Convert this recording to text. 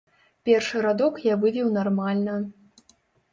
Першы радок я вывеў нармальна.